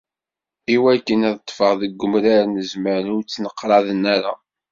Iwakken ad ṭṭfen deg umrar n zzman ur ttneqraḍen ara.